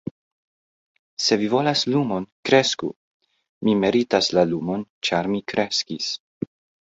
"Se vi volas lumon, kresku. Mi meritas la lumon, ĉar mi kreskis."